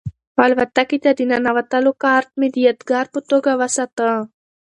الوتکې ته د ننوتلو کارډ مې د یادګار په توګه وساته.